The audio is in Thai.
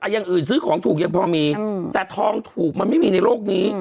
อย่างอื่นซื้อของถูกยังพอมีแต่ทองถูกมันไม่มีในโลกนี้